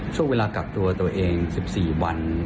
ช่วงเวลากักตัวตัวเอง๑๔วัน